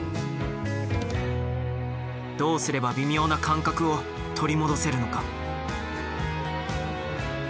どうすれば微妙な感覚を取り戻せるのか。